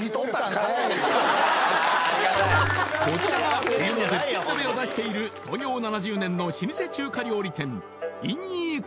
こちらが冬の絶品鍋を出している創業７０年の老舗中華料理店銀翼